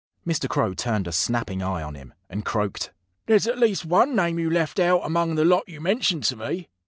Mr. Crow turned a snapping eye on him, and croaked: "There's at least one name you left out among the lot you mentioned to me.